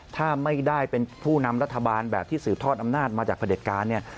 ถ้าไม่ได้เป็นผู้นำรัฐบาลแบบที่สืบทอดอำนาจมาจากประเด็จการเนี่ย